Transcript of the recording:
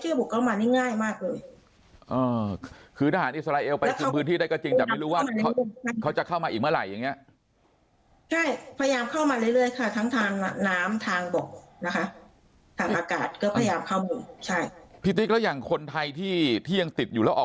ก็บุกง่ายมากเลยคืออาหารอิสราเอลไปที่พื้นที่ได้ก็จริงก็